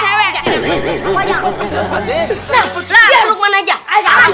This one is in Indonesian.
selang selang selang